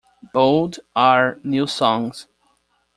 Bold are new songs.